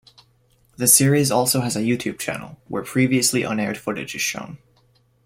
The series also has a YouTube channel, where previously unaired footage is shown.